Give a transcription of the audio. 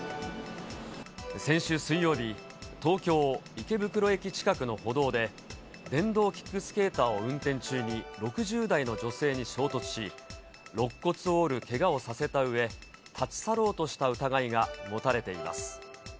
先週水曜日、東京・池袋駅近くの歩道で、電動キックスケーターを運転中に６０代の女性に衝突し、ろっ骨を折るけがをさせたうえ、立ち去ろうとした疑いが持たれています。